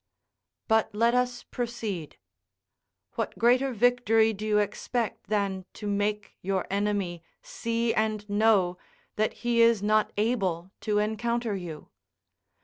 But let us proceed. What greater victory do you expect than to make your enemy see and know that he is not able to encounter you?